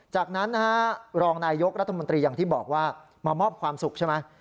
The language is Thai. จากนั้นนะฮะรองนายยกรัฐมนตรีอย่างที่บอกว่ามามอบความสุขใช่ไหม